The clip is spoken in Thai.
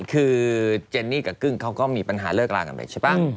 คือเจนนี่กับกึ้งเขาก็มีปัญหาเลิกลากันไปใช่ป่ะ